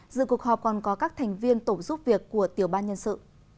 dự cuộc họp còn có các thành viên tổ giúp việc của tiểu ban nhân sự